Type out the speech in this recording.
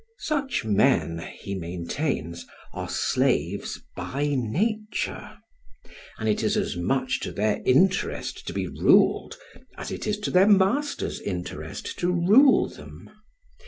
Such men, he maintains, are slaves by nature; and it is as much to their interest to be ruled as it is to their masters' interest to rule them.